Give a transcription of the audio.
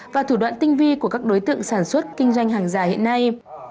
và thủ đoạn tinh vi của các đối tượng sản xuất kinh doanh hàng giả hiện nay